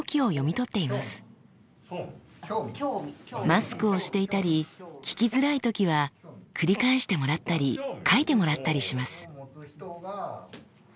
マスクをしていたり聞きづらい時は繰り返してもらったり書いてもらったりします。